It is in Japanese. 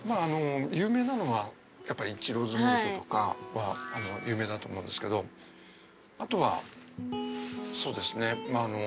有名なのはやっぱりイチローズモルトとかは有名だと思うんですけどあとはそうですね手軽に楽しむ。